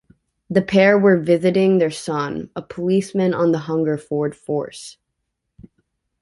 The pair were visiting their son, a policeman on the Hungerford force.